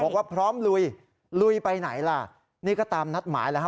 บอกว่าพร้อมลุยลุยไปไหนล่ะนี่ก็ตามนัดหมายแล้วฮ